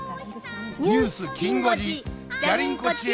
ニュースきん５時じゃりン子チエ